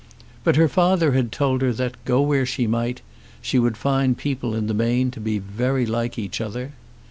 But her father had told her that, go where she might, she would find people in the main to be very like each other.